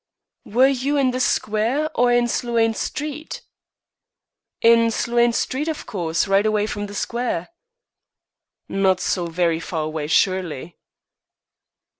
"Were you in the Square or in Sloane Street?" "In Sloane Street, of course. Right away from the Square." "Not so very far away, surely."